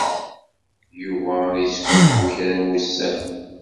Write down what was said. Yuba ad yesgunfu kra n wussan.